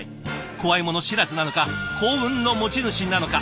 怖いもの知らずなのか幸運の持ち主なのか。